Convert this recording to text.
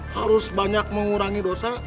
harus banyak mengurangi dosa